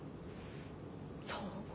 そう？